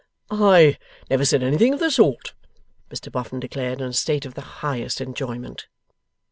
'I never said anything of the sort,' Mr Boffin declared in a state of the highest enjoyment.